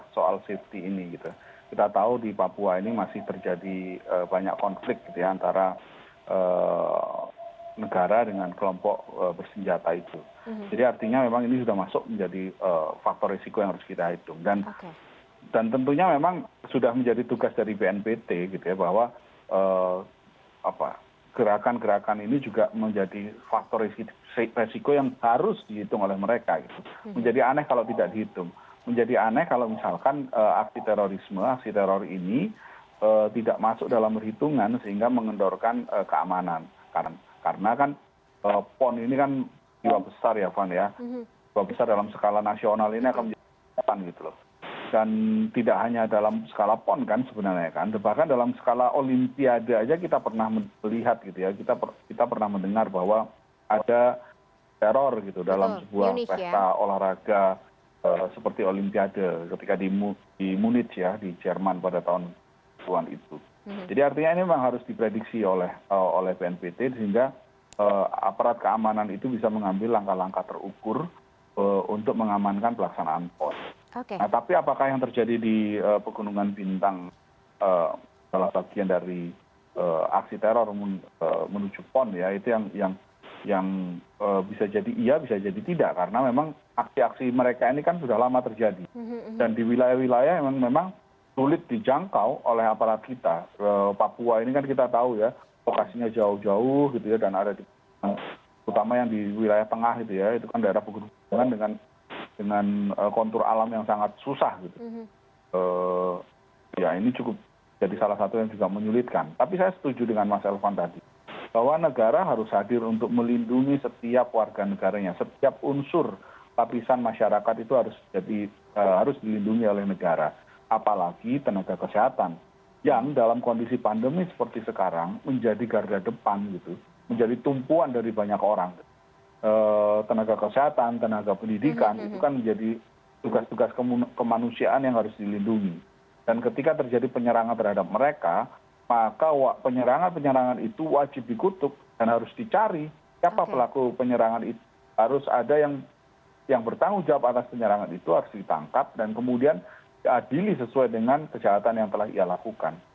siapa pelaku penyerangan itu harus ada yang bertanggung jawab atas penyerangan itu harus ditangkap dan kemudian diadili sesuai dengan kejahatan yang telah ia lakukan